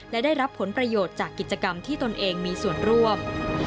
และได้รับผลประโยชน์จากกิจกรรมที่ตนเองมีส่วนร่วม